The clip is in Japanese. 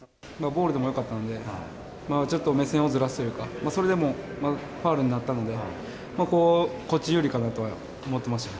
ボールでもよかったんで、ちょっと目線をずらすというか、それでもまだファウルになったので、こっち有利かなとは思ってました。